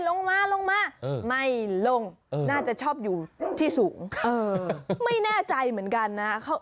ลงมาลงมาไม่ลงน่าจะชอบอยู่ที่สูงไม่แน่ใจเหมือนกันนะ